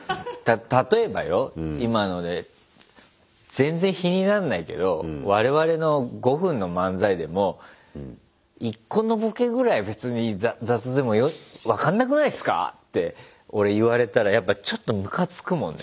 全然比になんないけど我々の５分の漫才でも「１個のボケぐらい別に雑でも分かんなくないすか？」って俺言われたらやっぱちょっとムカつくもんね。